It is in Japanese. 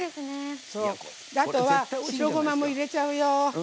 あとは、白ごまも入れちゃうよ。